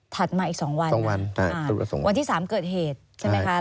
มาอีก๒วันวันที่๓เกิดเหตุใช่ไหมคะ